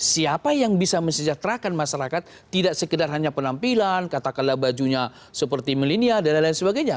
siapa yang bisa mesejahterakan masyarakat tidak sekedar hanya penampilan katakanlah bajunya seperti milenial dan lain lain sebagainya